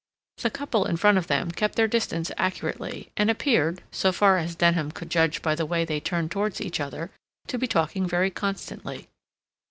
The couple in front of them kept their distance accurately, and appeared, so far as Denham could judge by the way they turned towards each other, to be talking very constantly.